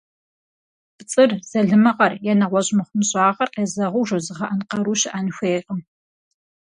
ПцӀыр, залымыгъэр е нэгъуэщӀ мыхъумыщӀагъэр къезэгъыу жозыгъэӀэн къару щыӀэн хуейкъым.